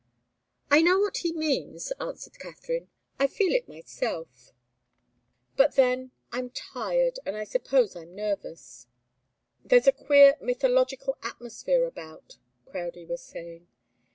"I know what he means," answered Katharine. "I feel it myself. But then I'm tired and I suppose I'm nervous." "There's a queer, mythological atmosphere about," Crowdie was saying.